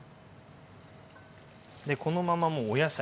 でこのままもうお野菜。